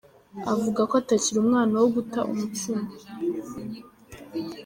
avugako atakiri umwana wo guta umutsima .